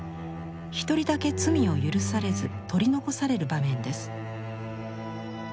一人だけ罪を許されず取り残される場面です。